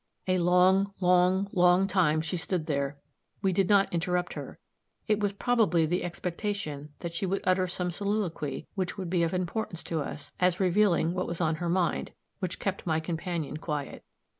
A long long long time she stood there; we did not interrupt her; it was probably the expectation that she would utter some soliloquy which would be of importance to us, as revealing what was on her mind, which kept my companion quiet.